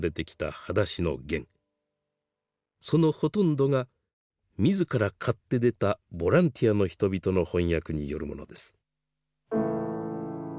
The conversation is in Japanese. そのほとんどが自ら買って出たボランティアの人々の翻訳によるものです。